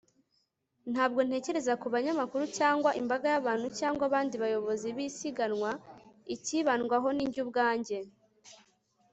ntabwo ntekereza kubanyamakuru cyangwa imbaga y'abantu cyangwa abandi bayobozi b'isiganwa. icyibandwaho ni njye ubwanjye